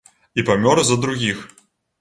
І памёр за другіх.